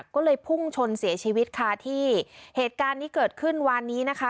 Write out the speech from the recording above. ก็เลยพุ่งชนเสียชีวิตค่ะที่เหตุการณ์นี้เกิดขึ้นวันนี้นะคะ